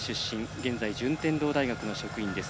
現在、順天堂大学の職員です。